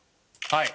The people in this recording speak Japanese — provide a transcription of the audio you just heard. はい。